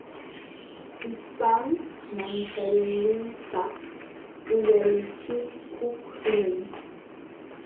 Illpam manchaliypaq uyalichikuqlun.